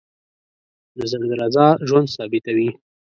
د زړه درزا ژوند ثابتوي.